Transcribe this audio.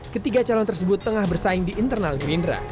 ketiga calon tersebut tengah bersaing di internal gerindra